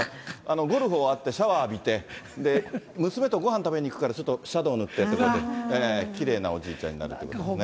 ゴルフ終わって、シャワー浴びて、娘とごはん食べに行くから、ちょっとシャドー塗ってって、きれいなおじいちゃんになるということですね。